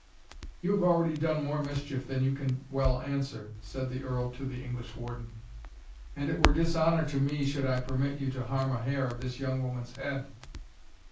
"You have already done more mischief than you can well answer," said the Earl to the English Warden, "and it were dishonour to me should I permit you to harm a hair of this young woman's head."